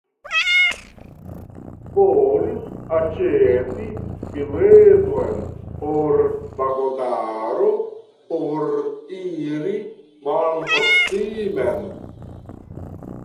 Volis aĉeti bileton por vagonaro por iri malproksimen.